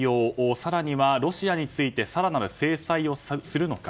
更にはロシアについて更なる制裁をするのか。